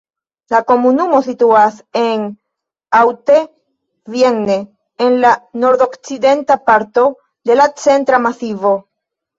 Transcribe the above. La komunumo situas en Haute-Vienne, en la nordokcidenta parto de la Centra Masivo.